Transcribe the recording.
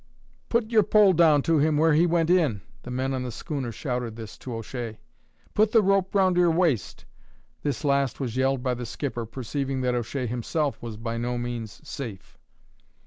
"Put your pole down to him where he went in!" The men on the schooner shouted this to O'Shea. "Put the rope round your waist!" This last was yelled by the skipper, perceiving that O'Shea himself was by no means safe.